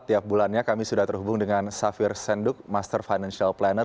tiap bulannya kami sudah terhubung dengan safir senduk master financial planner